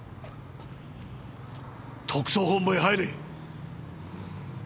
特捜本部へ入れ！